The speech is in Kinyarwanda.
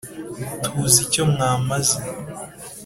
tuzi icyo mwamaze